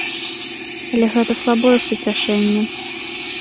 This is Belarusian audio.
Але гэта слабое суцяшэнне.